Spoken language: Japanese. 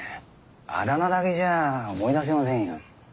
あだ名だけじゃ思い出せませんよ。